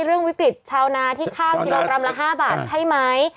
เรื่องวิกฤตชาวนาที่ข้าวกิโลกรัมละ๕บาทใช่ไหม